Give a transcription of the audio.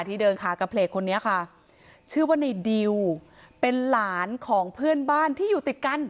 ที่เดินขากระเพลกคนนี้ค่ะชื่อว่าในดิวเป็นหลานของเพื่อนบ้านที่อยู่ติดกัน